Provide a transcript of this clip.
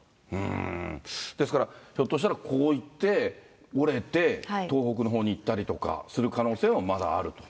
ですから、ひょっとしたらこう行って、折れて、東北のほうに行ったりとかする可能性もまだある？